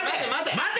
待て！